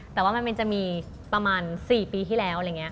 แต่ว่ามันจะมีประมาณ๔ปีที่แล้ว